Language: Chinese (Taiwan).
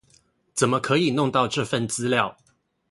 怎麼可以弄到這份資料